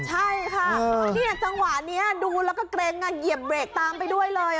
ใช่ค่ะจังหวะนี้ดูแล้วก็เกร็งเหยียบเบรกตามไปด้วยเลย